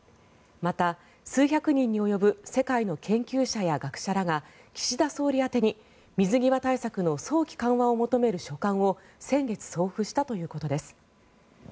また、数百人に及ぶ世界の研究者や学者らが岸田総理宛てに、水際対策の早期緩和を求める書簡を先月、送付したということです。